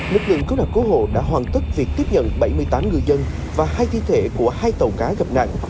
lực lượng cấu đảm cố hộ đã hoàn tất việc tiếp nhận bảy mươi tám ngư dân và hai thi thể của hai tàu cá gặp nạn